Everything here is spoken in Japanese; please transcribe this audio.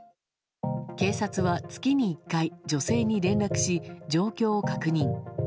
警察は月に１回、女性に連絡し状況を確認。